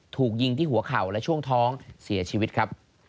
ถูกยิงที่หัวเข่าและช่วงท้องเสียชีวิตครับ